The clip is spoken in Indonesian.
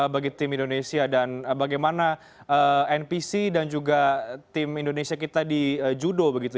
bagi tim indonesia dan bagaimana npc dan juga tim indonesia kita di judo begitu